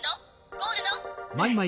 ゴールド。